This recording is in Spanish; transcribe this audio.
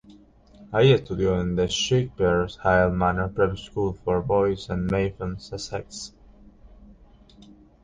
Ahí estudió en The Skippers-Hill Manor, prep-school for boys en Mayfield, Sussex.